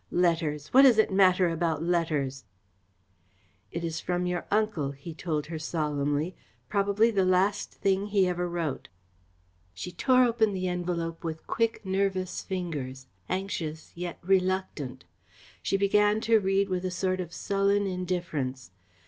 Letters! What does it matter about letters?" "It is from your uncle," he told her solemnly. "Probably the last thing he ever wrote." She tore open the envelope with quick, nervous fingers, anxious yet reluctant. She began to read with a sort of sullen indifference.